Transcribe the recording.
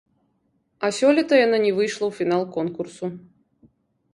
А сёлета яна не выйшла ў фінал конкурсу.